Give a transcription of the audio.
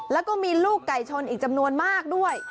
แล้วก็มีลูกไก่ชนอีกจำนวนมากด้วย